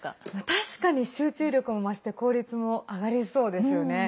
確かに集中力も増して効率も上がりそうですよね。